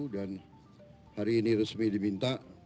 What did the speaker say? dan hari ini resmi diminta